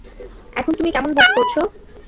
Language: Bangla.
এখন তুমি কেমন বোধ করছ?